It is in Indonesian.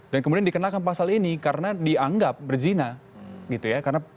dan kemudian dikenakan pasal ini karena dianggap berzina gitu ya